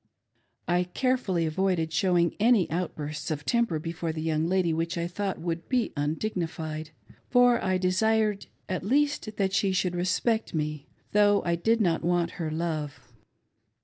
I carefully avoided showing any outbursts of temper before the young lady which I thought would be undignified, for I desired at least that she should respect me, though I did not want her love.